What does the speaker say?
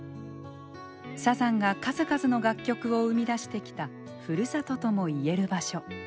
サザンが数々の楽曲を生み出してきた「ふるさと」ともいえる場所。